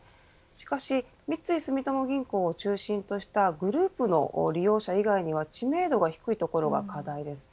しかし三井住友銀行を中心としたグループの利用者以外には知名度が低い所が課題です。